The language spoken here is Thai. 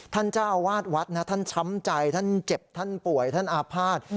ท่านเจ้าอาวาสวัดนะท่านช้ำใจท่านเจ็บท่านป่วยท่านอาภาษณ์